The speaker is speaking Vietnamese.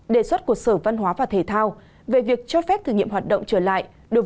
đề xuất của sở văn hóa và thể thao về việc cho phép thử nghiệm hoạt động trở lại